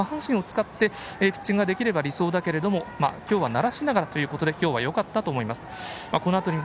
もっと下半身を使ってピッチングができれば理想だけれども今日はならしながらということでよかったと思います。